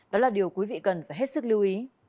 đó là điều quý vị cần phải hết sức lưu ý